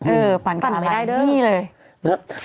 เออปั่นกับอะไรนี่เลยบางแล้ว